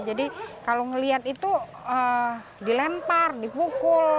jadi kalau ngeliat itu dilempar dipukul